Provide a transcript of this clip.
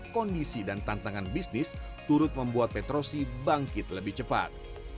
kondisi dan tantangan bisnis turut membuat petrosi bangkit lebih cepat